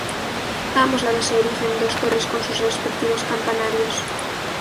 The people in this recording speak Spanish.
A ambos lados se erigen dos torres con sus respectivos campanarios.